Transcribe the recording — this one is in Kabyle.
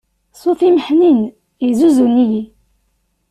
Ṣṣut-im ḥnin, yezzuzun-iyi.